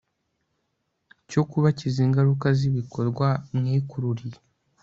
cyo kubakiza ingaruka zibikorwa mwikururiye …